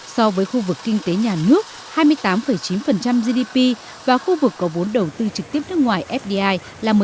so với khu vực kinh tế nhà nước hai mươi tám chín gdp và khu vực có vốn đầu tư trực tiếp nước ngoài fdi là một